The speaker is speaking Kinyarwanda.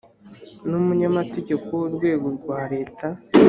n umunyamategeko w urwego rwa leta